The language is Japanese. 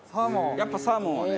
やっぱサーモンはね。